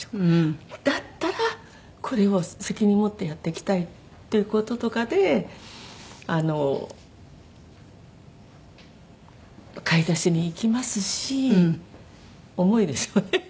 だったらこれを責任持ってやっていきたいっていう事とかであの買い出しに行きますし重いですよね。